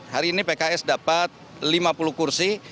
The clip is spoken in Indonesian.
hari ini pks dapat lima puluh kursi